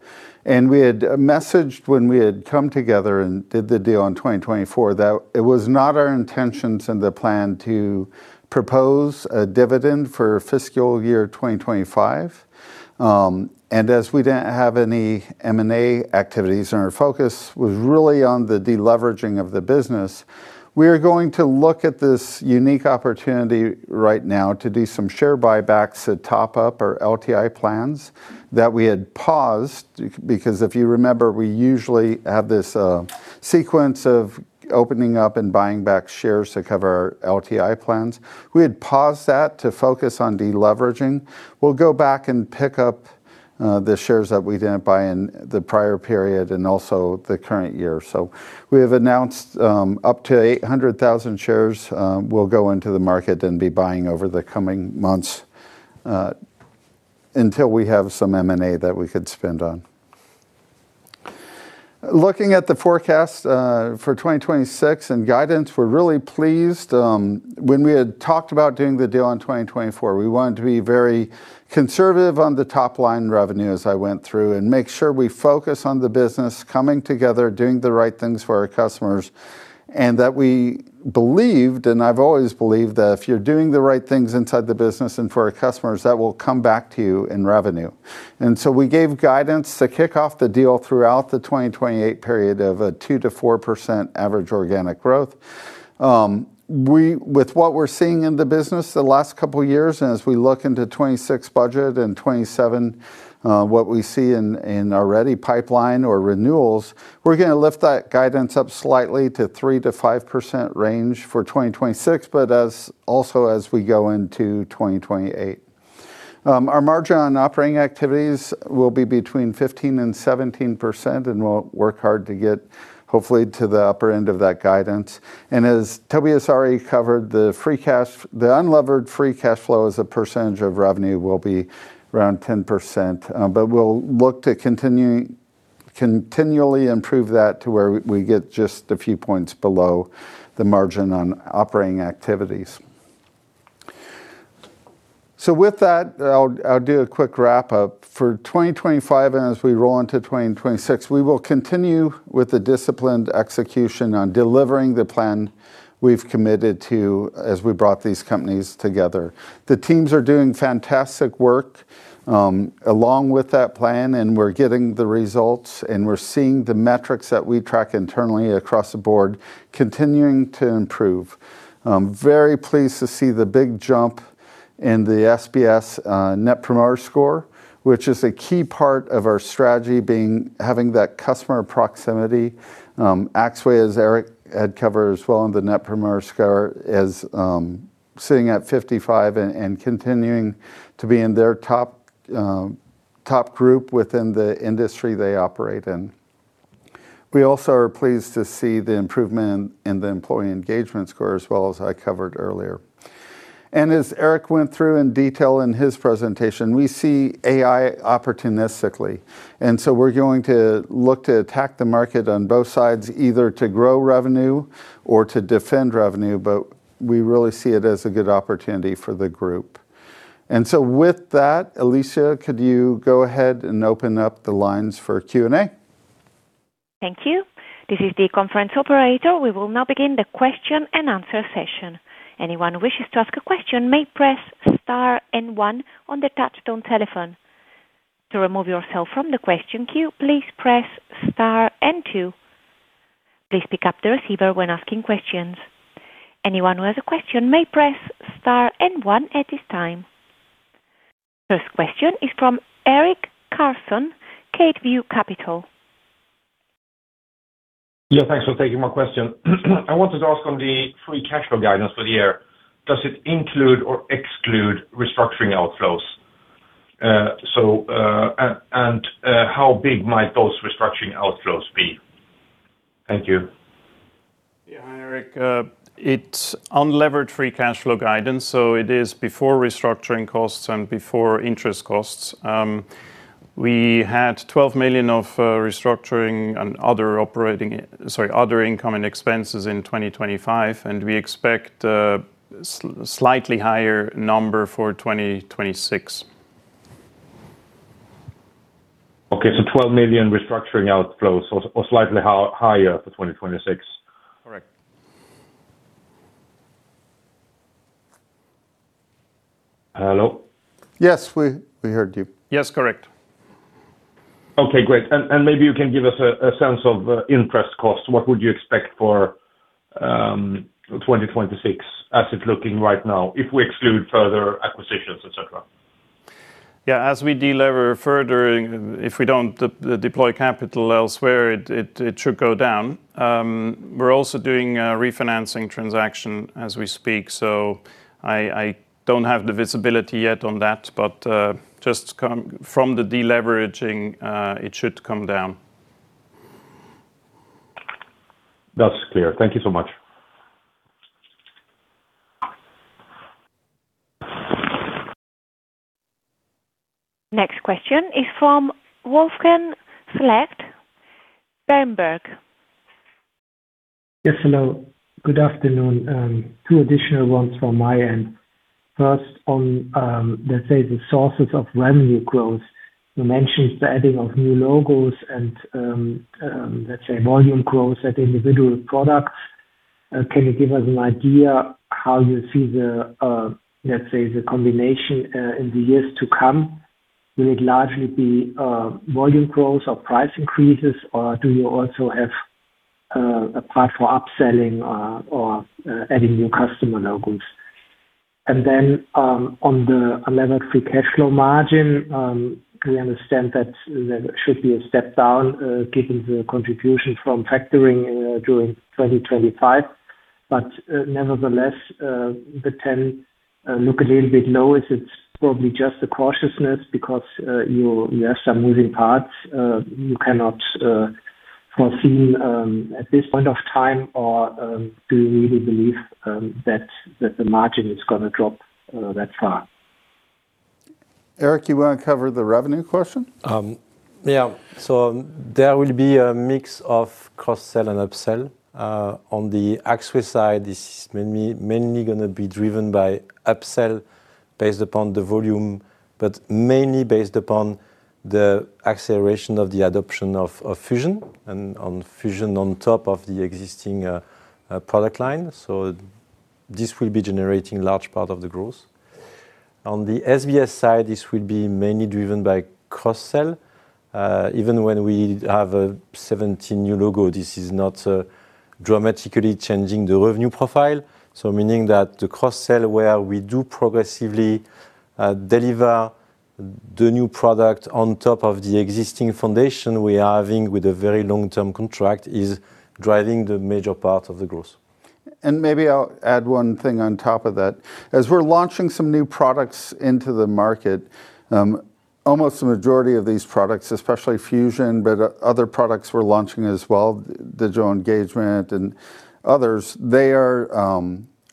Speaker 1: We had messaged when we had come together and did the deal on 2024, that it was not our intentions and the plan to propose a dividend for fiscal year 2025. As we didn't have any M&A activities, and our focus was really on the deleveraging of the business, we are going to look at this unique opportunity right now to do some share buybacks to top up our LTI plans that we had paused. Because if you remember, we usually have this sequence of opening up and buying back shares to cover our LTI plans. We had paused that to focus on deleveraging. We'll go back and pick up the shares that we didn't buy in the prior period and also the current year. We have announced up to 800,000 shares will go into the market and be buying over the coming months until we have some M&A that we could spend on. Looking at the forecast for 2026 and guidance, we're really pleased. When we had talked about doing the deal on 2024, we wanted to be very conservative on the top-line revenue, as I went through, and make sure we focus on the business coming together, doing the right things for our customers, and that we believed, and I've always believed, that if you're doing the right things inside the business and for our customers, that will come back to you in revenue. We gave guidance to kick off the deal throughout the 2028 period of a 2%-4% average organic growth. With what we're seeing in the business the last couple of years, and as we look into 2026 budget and 2027, what we see in our ready pipeline or renewals, we're gonna lift that guidance up slightly to 3%-5% range for 2026, but also as we go into 2028. Our margin on operating activities will be between 15% and 17%, and we'll work hard to get, hopefully, to the upper end of that guidance. As Tobias already covered, the unlevered free cash flow as a percentage of revenue will be around 10%. We'll look to continue, continually improve that to where we get just a few points below the margin on operating activities. With that, I'll do a quick wrap-up. For 2025, as we roll into 2026, we will continue with the disciplined execution on delivering the plan we've committed to as we brought these companies together. The teams are doing fantastic work along with that plan, and we're getting the results, and we're seeing the metrics that we track internally across the board, continuing to improve. I'm very pleased to see the big jump in the SBS Net Promoter Score, which is a key part of our strategy, having that customer proximity. Axway, as Éric had covered as well in the Net Promoter Score, is sitting at 55 and continuing to be in their top group within the industry they operate in. We also are pleased to see the improvement in the employee engagement score as well, as I covered earlier. As Éric went through in detail in his presentation, we see AI opportunistically, we're going to look to attack the market on both sides, either to grow revenue or to defend revenue, but we really see it as a good opportunity for the group. With that, Alicia, could you go ahead and open up the lines for Q&A?
Speaker 4: Thank you. This is the conference operator. We will now begin the question-and-answer session. Anyone who wishes to ask a question may press star and one on the touchtone telephone. To remove yourself from the question queue, please press star and two. Please pick up the receiver when asking questions. Anyone who has a question may press star and one at this time. First question is from Eric Carson, Lakeview Capital.
Speaker 5: Yeah, thanks for taking my question. I wanted to ask on the free cash flow guidance for the year, does it include or exclude restructuring outflows? And how big might those restructuring outflows be? Thank you.
Speaker 3: Hi, Eric. It's unlevered free cash flow guidance, so it is before restructuring costs and before interest costs. We had 12 million of restructuring and other operating, sorry, other income and expenses in 2025, and we expect a slightly higher number for 2026.
Speaker 5: Okay, 12 million restructuring outflows, or slightly higher for 2026?
Speaker 3: Correct.
Speaker 5: Hello?
Speaker 1: Yes, we heard you.
Speaker 3: Yes, correct.
Speaker 5: Okay, great. Maybe you can give us a sense of interest costs. What would you expect for 2026 as it's looking right now, if we exclude further acquisitions, et cetera?
Speaker 3: As we delever further, if we don't deploy capital elsewhere, it should go down. We're also doing a refinancing transaction as we speak, I don't have the visibility yet on that, just from the deleveraging, it should come down.
Speaker 5: That's clear. Thank you so much.
Speaker 4: Next question is from Wolfgang Specht, Berenberg.
Speaker 6: Yes, hello. Good afternoon. Two additional ones from my end. First, on the sources of revenue growth. You mentioned the adding of new logos and volume growth at individual products. Can you give us an idea how you see the combination in the years to come? Will it largely be volume growth or price increases, or do you also have a path for upselling or adding new customer logos? On the unlevered free cash flow margin, we understand that there should be a step down given the contribution from factoring during 2025. Nevertheless, the 10% look a little bit low. Is it probably just a cautiousness because you have some moving parts, you cannot foresee at this point of time, or do you really believe that the margin is gonna drop that far?
Speaker 1: Éric, you want to cover the revenue question?
Speaker 2: Yeah. There will be a mix of cross-sell and upsell. On the Axway side, this is mainly gonna be driven by upsell based upon the volume, but mainly based upon the acceleration of the adoption of Fusion and on Fusion on top of the existing product line. This will be generating large part of the growth. On the SBS side, this will be mainly driven by cross-sell. Even when we have a 17 new logo, this is not dramatically changing the revenue profile. Meaning that the cross-sell, where we do progressively deliver the new product on top of the existing foundation we are having with a very long-term contract, is driving the major part of the growth.
Speaker 1: Maybe I'll add one thing on top of that. As we're launching some new products into the market, almost the majority of these products, especially Fusion, but other products we're launching as well, Digital Engagement and others, they are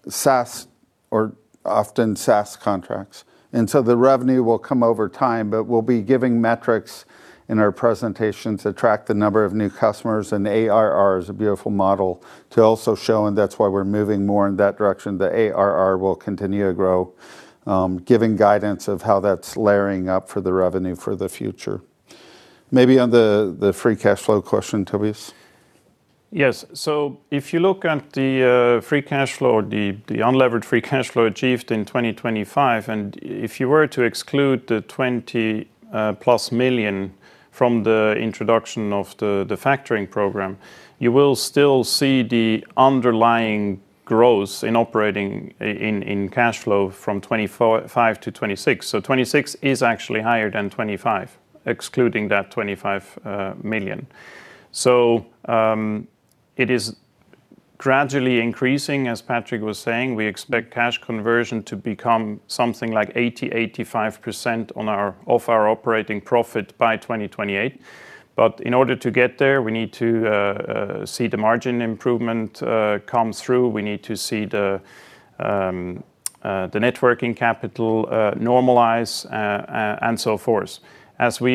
Speaker 1: SaaS or often SaaS contracts. The revenue will come over time, but we'll be giving metrics in our presentation to track the number of new customers, and ARR is a beautiful model to also show, and that's why we're moving more in that direction. The ARR will continue to grow, giving guidance of how that's layering up for the revenue for the future. Maybe on the free cash flow question, Tobias?
Speaker 3: Yes. If you look at the free cash flow or the unlevered free cash flow achieved in 2025, if you were to exclude the 20+ million from the introduction of the factoring program, you will still see the underlying growth in operating cash flow from 2024-2025 to 2026. 2026 is actually higher than 2025, excluding that 25 million. It is gradually increasing. As Patrick was saying, we expect cash conversion to become something like 80%-85% of our operating profit by 2028. In order to get there, we need to see the margin improvement come through. We need to see the networking capital normalize and so forth. As we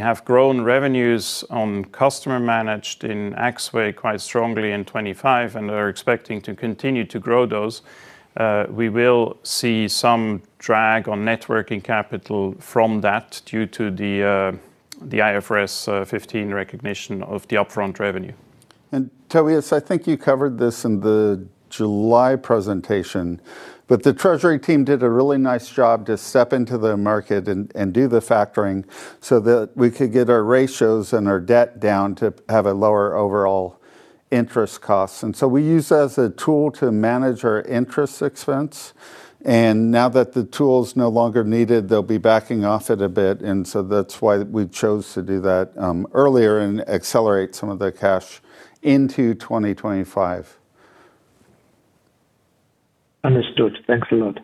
Speaker 3: have grown revenues on customer managed in Axway quite strongly in 25 and are expecting to continue to grow those, we will see some drag on networking capital from that due to the IFRS 15 recognition of the upfront revenue.
Speaker 1: Tobias, I think you covered this in the July presentation, but the treasury team did a really nice job to step into the market and do the factoring so that we could get our ratios and our debt down to have a lower overall interest costs. We use as a tool to manage our interest expense, and now that the tool is no longer needed, they'll be backing off it a bit. That's why we chose to do that earlier and accelerate some of the cash into 2025.
Speaker 6: Understood. Thanks a lot.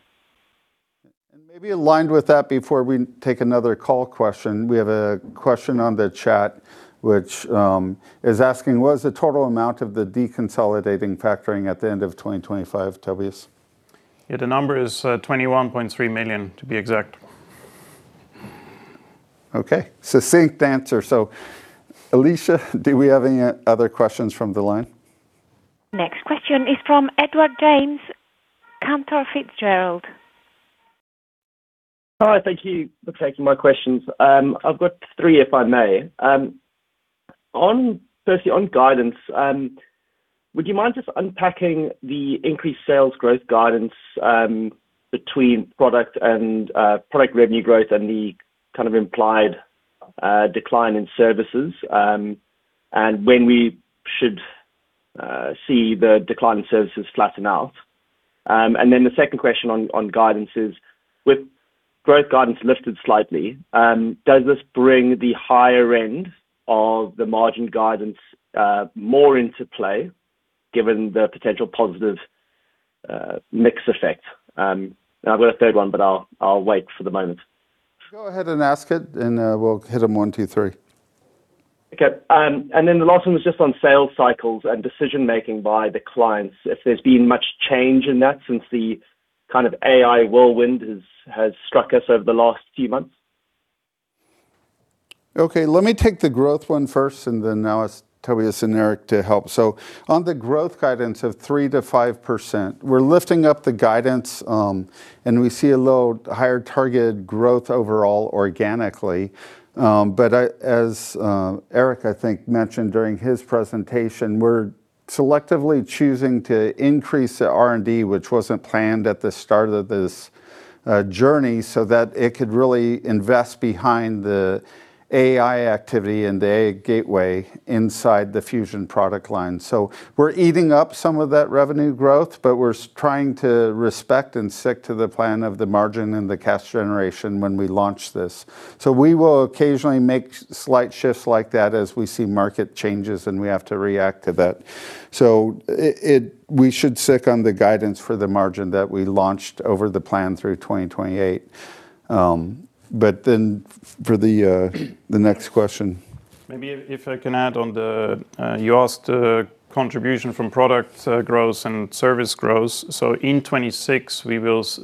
Speaker 1: Maybe aligned with that, before we take another call question, we have a question on the chat, which is asking what is the total amount of the deconsolidating factoring at the end of 2025, Tobias?
Speaker 3: Yeah, the number is 21.3 million, to be exact.
Speaker 1: Okay. Succinct answer. Alicia, do we have any other questions from the line?
Speaker 4: Next question is from Edward James, Cantor Fitzgerald.
Speaker 7: Hi, thank you for taking my questions. I've got three, if I may. firstly, on guidance, would you mind just unpacking the increased sales growth guidance between product and product revenue growth and the kind of implied decline in services, and when we should see the decline in services flatten out? The second question on guidance is, with growth guidance lifted slightly, does this bring the higher end of the margin guidance more into play given the potential positive mix effect? I've got a third one, but I'll wait for the moment.
Speaker 1: Go ahead and ask it, and we'll hit them one, two, three.
Speaker 7: Okay, then the last one was just on sales cycles and decision-making by the clients, if there's been much change in that since the kind of AI whirlwind has struck us over the last few months?
Speaker 1: Okay, let me take the growth one first. I'll ask Tobias and Éric to help. On the growth guidance of 3%-5%, we're lifting up the guidance, and we see a little higher targeted growth overall organically. I, as Éric, I think, mentioned during his presentation, we're selectively choosing to increase the R&D, which wasn't planned at the start of this journey, so that it could really invest behind the AI activity and the AI gateway inside the Fusion product line. We're eating up some of that revenue growth, but we're trying to respect and stick to the plan of the margin and the cash generation when we launch this. We will occasionally make slight shifts like that as we see market changes, and we have to react to that. We should stick on the guidance for the margin that we launched over the plan through 2028. For the next question.
Speaker 3: Maybe if I can add on the, you asked, contribution from product, growth and service growth. In 2026,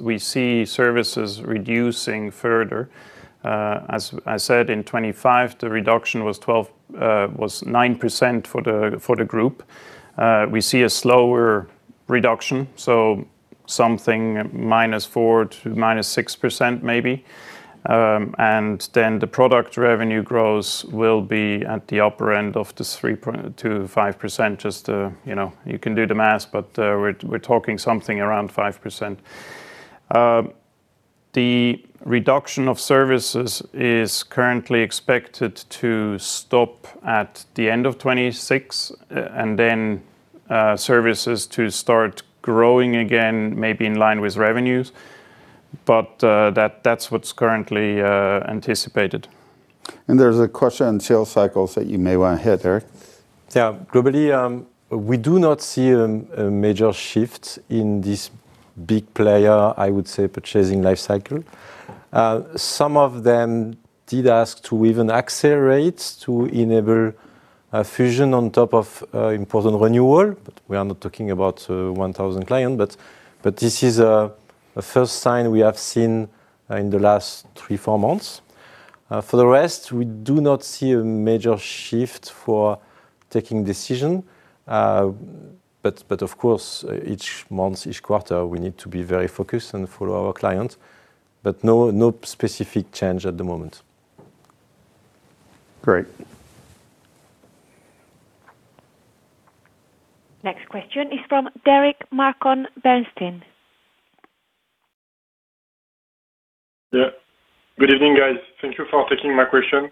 Speaker 3: we see services reducing further. As I said, in 2025, the reduction was 12, was 9% for the group. We see a slower reduction, so something -4% to -6% maybe. The product revenue growth will be at the upper end of the 3% to 5%, just to, you know, you can do the math, but, we're talking something around 5%. The reduction of services is currently expected to stop at the end of 2026, and then, services to start growing again, maybe in line with revenues. That, that's what's currently anticipated.
Speaker 1: There's a question on sales cycles that you may want to hit, Éric.
Speaker 2: Globally, we do not see a major shift in this big player, I would say, purchasing life cycle. Some of them did ask to even accelerate to enable a fusion on top of important renewal, but we are not talking about 1,000 client. This is a first sign we have seen in the last 3, 4 months. For the rest, we do not see a major shift for taking decision, but of course, each month, each quarter, we need to be very focused and follow our clients. No specific change at the moment.
Speaker 1: Great.
Speaker 4: Next question is from Mark Moerdler, Bernstein.
Speaker 8: Yeah. Good evening, guys. Thank you for taking my question.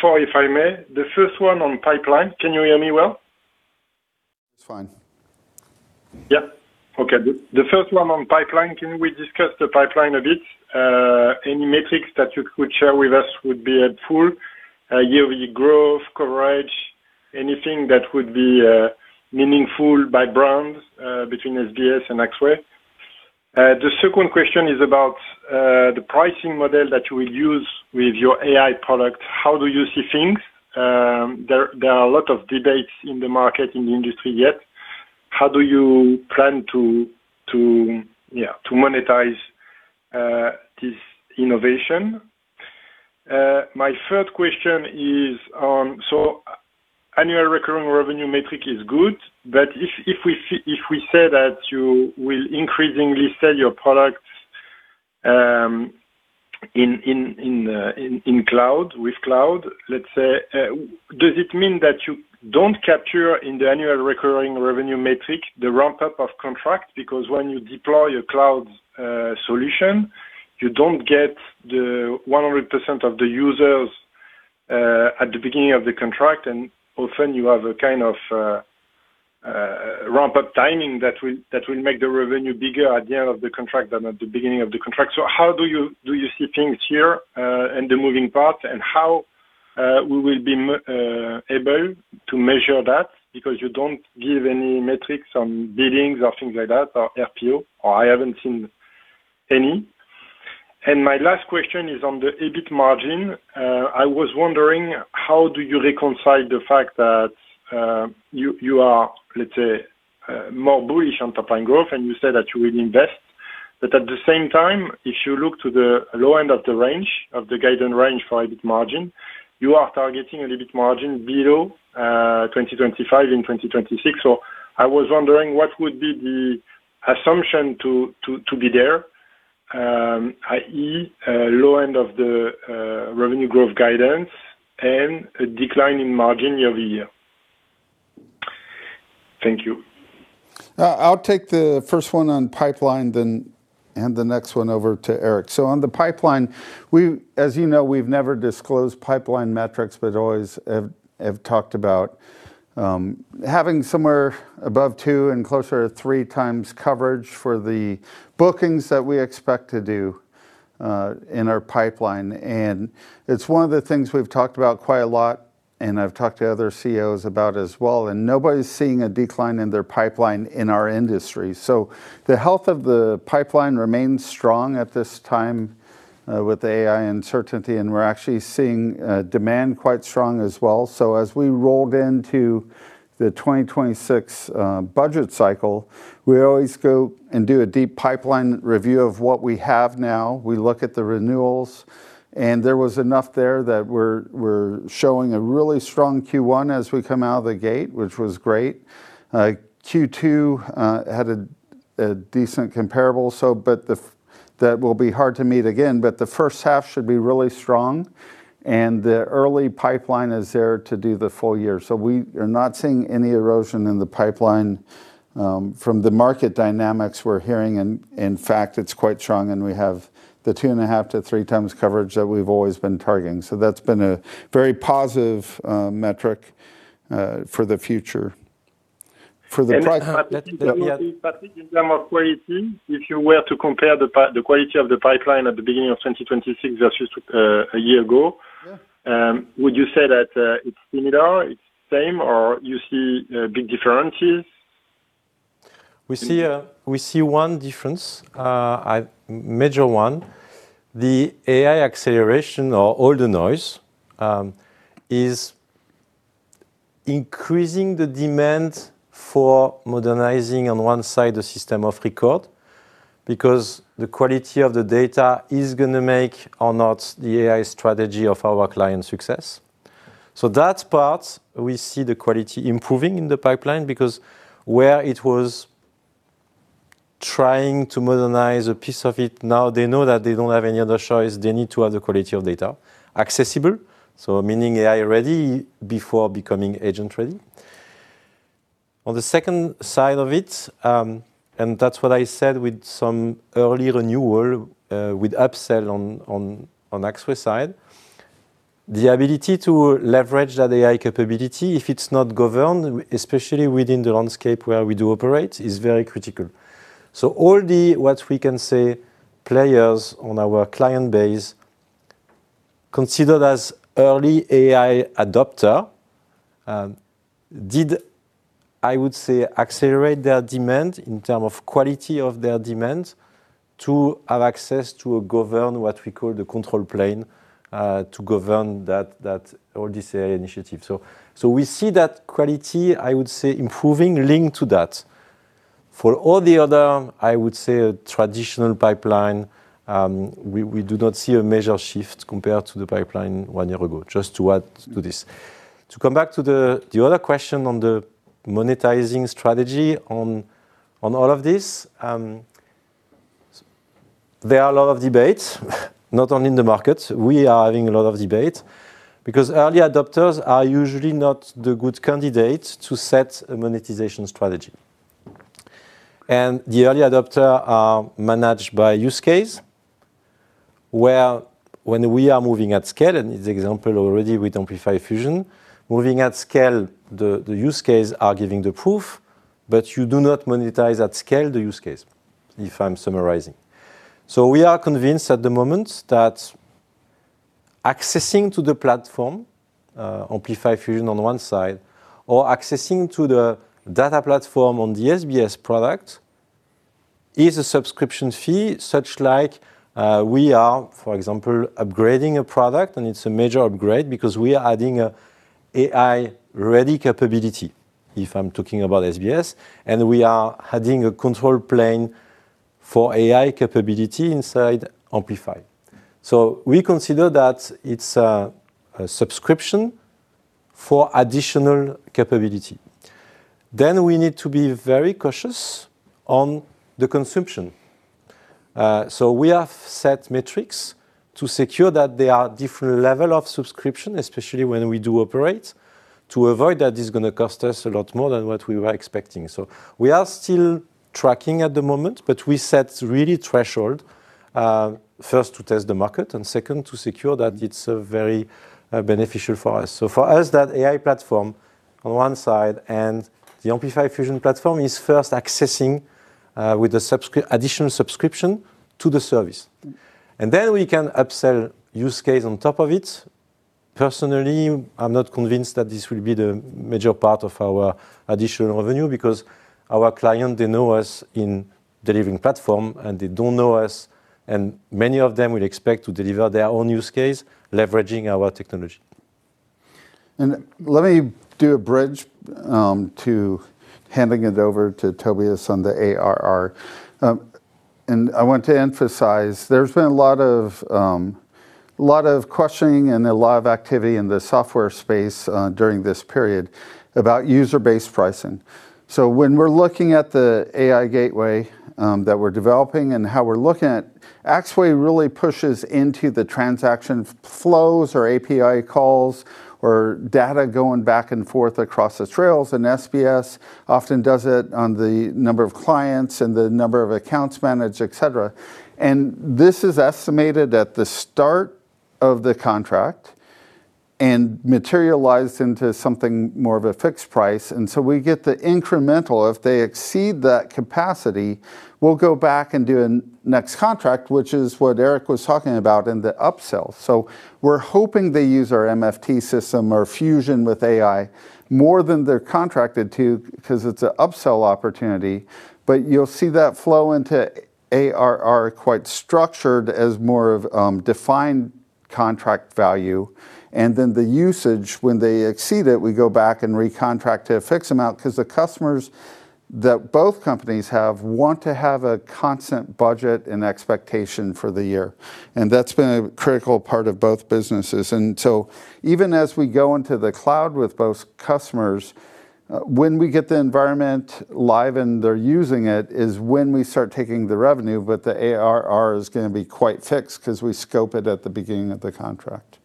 Speaker 8: four, if I may. The first one on pipeline. Can you hear me well?
Speaker 1: It's fine.
Speaker 8: Yeah? Okay. The first one on pipeline, can we discuss the pipeline a bit? Any metrics that you could share with us would be helpful. Year-over-year growth, coverage, anything that would be meaningful by brands, between SBS and Axway. The second question is about the pricing model that you will use with your AI product. How do you see things? There are a lot of debates in the market, in the industry, yet. How do you plan to, yeah, to monetize this innovation? My third question is on. Annual recurring revenue metric is good, but if we say that you will increasingly sell your products in cloud, with cloud, let's say, does it mean that you don't capture in the annual recurring revenue metric, the ramp-up of contracts? When you deploy your cloud solution, you don't get the 100% of the users at the beginning of the contract, and often you have a kind of ramp-up timing that will make the revenue bigger at the end of the contract than at the beginning of the contract. How do you see things here in the moving part, and how we will be able to measure that? You don't give any metrics on billings or things like that, or FPO, or I haven't seen any. My last question is on the EBIT margin. I was wondering, how do you reconcile the fact that you are, let's say, more bullish on top-line growth, and you say that you will invest. At the same time, if you look to the low end of the range, of the guided range for EBIT margin, you are targeting a EBIT margin below 2025 and 2026. I was wondering, what would be the assumption to be there, i.e., low end of the revenue growth guidance and a decline in margin year-over-year? Thank you.
Speaker 1: I'll take the first one on pipeline, then hand the next one over to Éric. On the pipeline, as you know, we've never disclosed pipeline metrics, but always have talked about having somewhere above 2 and closer to 3 times coverage for the bookings that we expect to do in our pipeline. It's one of the things we've talked about quite a lot, and I've talked to other CEOs about as well, and nobody's seeing a decline in their pipeline in our industry. The health of the pipeline remains strong at this time. With AI uncertainty, and we're actually seeing demand quite strong as well. As we rolled into the 2026 budget cycle, we always go and do a deep pipeline review of what we have now. We look at the renewals, there was enough there that we're showing a really strong Q1 as we come out of the gate, which was great. Q2 had a decent comparable, that will be hard to meet again, but the first half should be really strong, and the early pipeline is there to do the full year. We are not seeing any erosion in the pipeline from the market dynamics we're hearing, and in fact, it's quite strong, and we have the 2.5x-3x coverage that we've always been targeting. That's been a very positive metric for the future.
Speaker 8: In terms of quality, if you were to compare the quality of the pipeline at the beginning of 2026 versus a year ago.
Speaker 1: Yeah.
Speaker 8: Would you say that it's similar, it's same, or you see big differences?
Speaker 2: We see, we see one difference, a major one. The AI acceleration or all the noise is increasing the demand for modernizing on one side the system of record, because the quality of the data is gonna make or not the AI strategy of our client success. That part, we see the quality improving in the pipeline, because where it was trying to modernize a piece of it, now they know that they don't have any other choice. They need to have the quality of data accessible, so meaning AI-ready before becoming agent-ready. On the second side of it, and that's what I said with some early renewal, with upsell on Axway side. The ability to leverage that AI capability, if it's not governed, especially within the landscape where we do operate, is very critical. All the, what we can say, players on our client base considered as early AI adopter, did, I would say, accelerate their demand in term of quality of their demand to have access to a govern, what we call the control plane, to govern that all this AI initiative. We see that quality, I would say, improving linked to that. For all the other, I would say, traditional pipeline, we do not see a major shift compared to the pipeline one year ago, just to add to this. Come back to the other question on the monetizing strategy on all of this. There are a lot of debates, not only in the market. We are having a lot of debate because early adopters are usually not the good candidate to set a monetization strategy. The early adopter are managed by use case, where when we are moving at scale, and the example already with Amplify Fusion, moving at scale, the use case are giving the proof, but you do not monetize at scale the use case, if I'm summarizing. We are convinced at the moment that accessing to the platform, Amplify Fusion on one side, or accessing to the data platform on the SBS product, is a subscription fee, such like we are, for example, upgrading a product, and it's a major upgrade because we are adding a AI-ready capability, if I'm talking about SBS, and we are adding a control plane for AI capability inside Amplify. We consider that it's a subscription for additional capability. We need to be very cautious on the consumption. We have set metrics to secure that there are different level of subscription, especially when we do operate, to avoid that is gonna cost us a lot more than what we were expecting. We are still tracking at the moment, but we set really threshold, first, to test the market, and second, to secure that it's very beneficial for us. For us, that AI platform on one side and the Amplify Fusion platform is first accessing with the additional subscription to the service. We can upsell use case on top of it. Personally, I'm not convinced that this will be the major part of our additional revenue, because our client, they know us in delivering platform, and they don't know us, and many of them will expect to deliver their own use case, leveraging our technology.
Speaker 1: Let me do a bridge to handing it over to Tobias on the ARR. I want to emphasize, there's been a lot of questioning and a lot of activity in the software space during this period about user-based pricing. When we're looking at the AI gateway that we're developing and how we're looking at, Axway really pushes into the transaction flows or API calls or data going back and forth across the trails, and SBS often does it on the number of clients and the number of accounts managed, et cetera. This is estimated at the start of the contract and materialized into something more of a fixed price, and so we get the incremental. If they exceed that capacity, we'll go back and do a next contract, which is what Éric was talking about in the upsell. We're hoping they use our MFT system or Fusion with AI more than they're contracted to, because it's a upsell opportunity, but you'll see that flow into ARR quite structured as more of defined contract value, and then the usage, when they exceed it, we go back and recontract a fixed amount, 'cause the customers that both companies have want to have a constant budget and expectation for the year, and that's been a critical part of both businesses. Even as we go into the cloud with both customers, when we get the environment live and they're using it, is when we start taking the revenue, but the ARR is gonna be quite fixed 'cause we scope it at the beginning of the contract.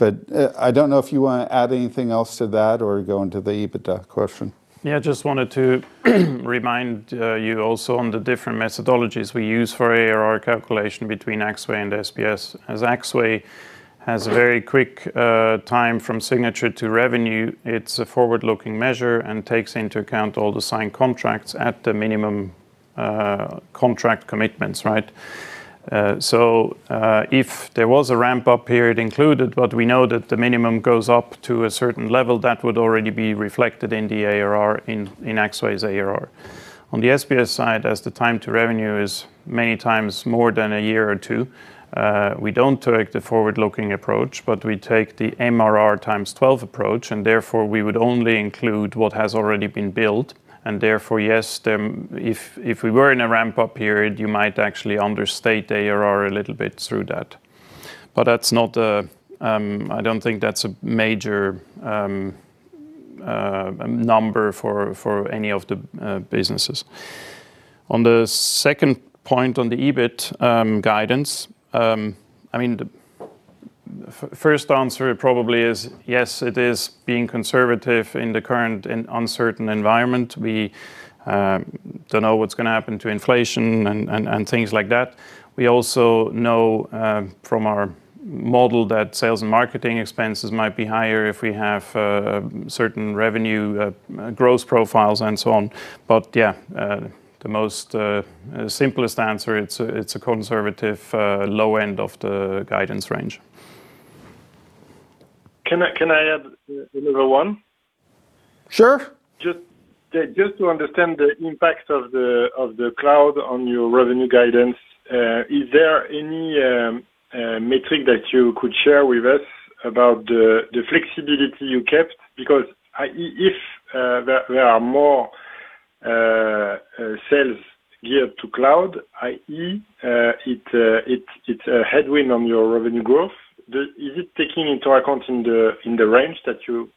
Speaker 1: I don't know if you wanna add anything else to that or go into the EBITDA question.
Speaker 3: Yeah, just wanted to remind you also on the different methodologies we use for ARR calculation between Axway and SPS. As Axway has a very quick time from signature to revenue, it's a forward-looking measure and takes into account all the signed contracts at the minimum contract commitments, right? If there was a ramp-up period included, but we know that the minimum goes up to a certain level, that would already be reflected in the ARR in Axway's ARR. On the SPS side, as the time to revenue is many times more than a year or two, we don't take the forward-looking approach, but we take the MRR times 12 approach. Therefore, we would only include what has already been built. Therefore, yes, if we were in a ramp-up period, you might actually understate ARR a little bit through that. That's not a, I don't think that's a major number for any of the businesses. On the second point, on the EBIT guidance, I mean, the first answer probably is, yes, it is being conservative in the current and uncertain environment. We don't know what's gonna happen to inflation and things like that. We also know from our model that sales and marketing expenses might be higher if we have a certain revenue growth profiles and so on. Yeah, the most simplest answer, it's a, it's a conservative low end of the guidance range.
Speaker 8: Can I add a little one?
Speaker 1: Sure.
Speaker 8: Just to understand the impact of the cloud on your revenue guidance, is there any metric that you could share with us about the flexibility you kept? Because if there are more sales geared to cloud, i.e., it's a headwind on your revenue growth. Is it taking into account in the range that you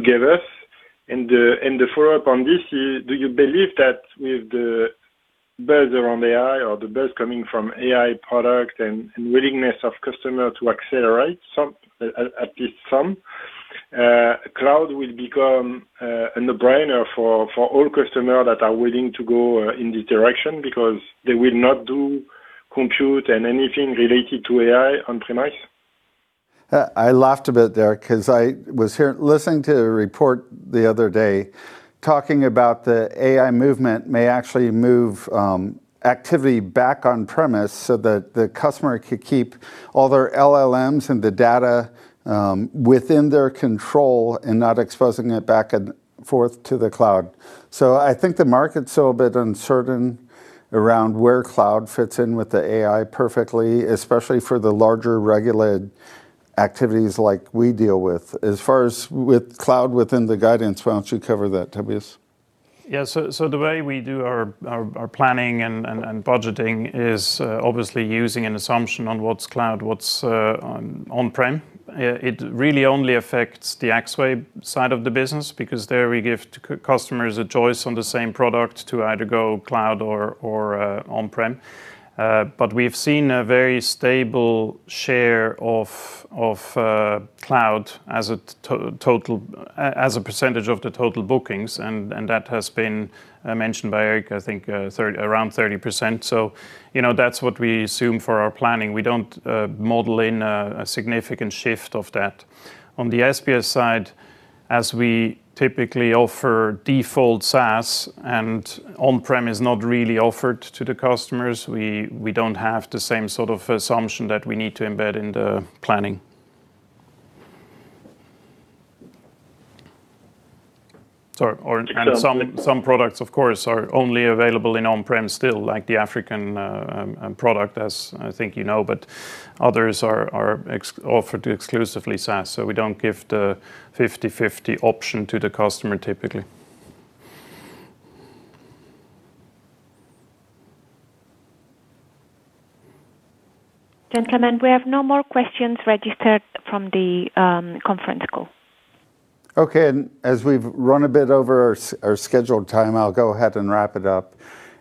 Speaker 8: gave us? The follow-up on this is, do you believe that with the buzz around AI or the buzz coming from AI products and willingness of customer to accelerate some, at least some, cloud will become a no-brainer for all customer that are willing to go in this direction because they will not do compute and anything related to AI on-premise?
Speaker 1: I laughed a bit there 'cause I was listening to a report the other day, talking about the AI movement may actually move activity back on premise so that the customer could keep all their LLMs and the data within their control and not exposing it back and forth to the cloud. I think the market's a little bit uncertain around where cloud fits in with the AI perfectly, especially for the larger regulated activities like we deal with. As far as with cloud within the guidance, why don't you cover that, Tobias?
Speaker 3: Yeah. The way we do our planning and budgeting is obviously using an assumption on what's cloud, what's on-prem. It really only affects the Axway side of the business, because there we give customers a choice on the same product to either go cloud or on-prem. We've seen a very stable share of cloud as a total as a percentage of the total bookings, and that has been mentioned by Éric, I think, 30, around 30%. You know, that's what we assume for our planning. We don't model in a significant shift of that. On the SPS side, as we typically offer default SaaS and on-prem is not really offered to the customers, we don't have the same sort of assumption that we need to embed in the planning. Sorry, some products, of course, are only available in on-prem still, like the African product, as I think you know, but others are offered exclusively SaaS, so we don't give the 50-50 option to the customer typically.
Speaker 4: Gentlemen, we have no more questions registered from the conference call.
Speaker 1: Okay. As we've run a bit over our scheduled time, I'll go ahead and wrap it up.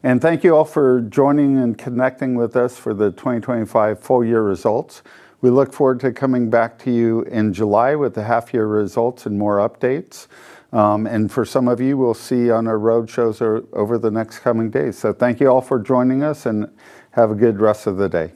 Speaker 1: Thank you all for joining and connecting with us for the 2025 full year results. We look forward to coming back to you in July with the half-year results and more updates. For some of you, we'll see you on our roadshows over the next coming days. Thank you all for joining us, and have a good rest of the day.